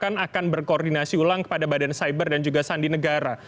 bahkan akan berkoordinasi ulang kepada badan cyber dan juga sandi negara